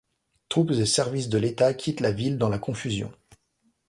Troupes et services de l'État quittent la ville dans la confusion.